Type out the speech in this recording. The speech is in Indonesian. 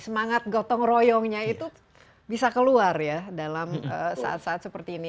semangat gotong royongnya itu bisa keluar ya dalam saat saat seperti ini